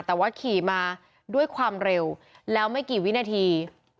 แต่ว่าขี่มาด้วยความเร็วแล้วไม่กี่วินาที